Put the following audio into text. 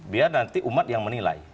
biar nanti umat yang menilai